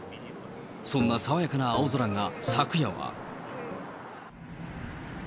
そんなさわやかな青空が、昨夜は。